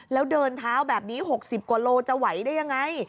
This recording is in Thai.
แล้วเดินเท้าแบบนี้๖๐กว่าโลจะไหวได้ยังไง